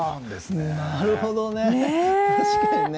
なるほどね！